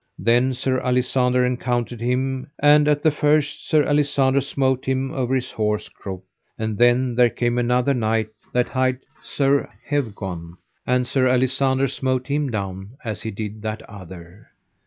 Then Sir Alisander encountered with him, and at the first Sir Alisander smote him over his horse's croup. And then there came another knight that hight Sir Hewgon, and Sir Alisander smote him down as he did that other.